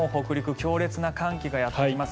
強烈な寒気がやってきます。